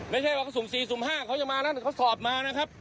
ไม่ใช่ว่าเขาสูงสี่สูงห้าเขายังมาแล้วเขาสอบมานะครับ